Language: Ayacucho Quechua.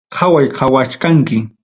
Qaway qawachkanki.